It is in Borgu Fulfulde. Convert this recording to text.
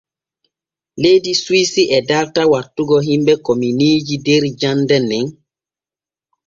Leydi Suwisi e darta wattugo himɓe kominiiji der jande ne.